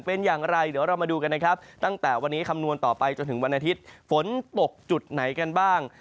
เป็นอย่างไรเดี๋ยวเรามาดูกันนะครับตั้งแต่วันนี้คำนวณต่อไปจนถึงวันอาทิตย์ฝนตกจุดไหนกันบ้าง